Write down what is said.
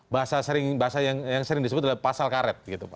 bahasa yang sering disebut adalah pasal karet